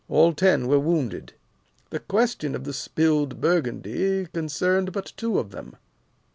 All ten were wounded. The question of the spilled Burgundy concerned but two of them.